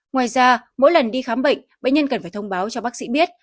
ngoài ra mỗi lần đi khám bệnh bệnh nhân cần phải thông báo cho bác sĩ biết